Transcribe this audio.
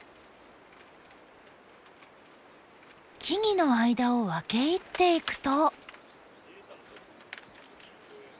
木々の間を分け入っていくと。